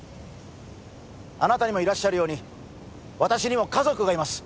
あなたにもいらっしゃるように私にも家族がいます